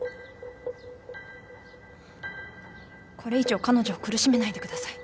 これ以上彼女を苦しめないでください。